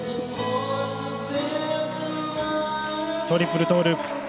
トリプルトーループ。